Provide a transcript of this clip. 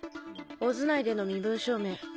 ＯＺ内での身分証明。